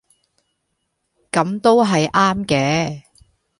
噉都係啱嘅